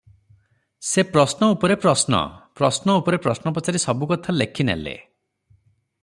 ସେ ପ୍ରଶ୍ନ ଉପରେ ପ୍ରଶ୍ନ- ପ୍ରଶ୍ନ ଉପରେ ପ୍ରଶ୍ନ ପଚାରି ସବୁକଥା ଲେଖି ନେଲେ ।